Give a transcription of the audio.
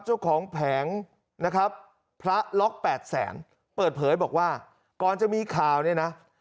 แผงนะครับพระล็อกแปดแสนเปิดเผยบอกว่าก่อนจะมีข่าวเนี่ยนะ